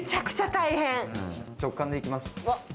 直感で行きます。